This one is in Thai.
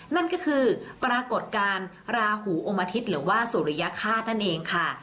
นั่นก็คือปรากฏการณ์ราหูอมอาทิตย์หรือว่าสุริยฆาตนั่นเองค่ะ